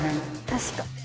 確か。